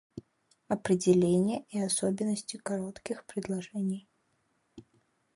Определение и особенности коротких предложений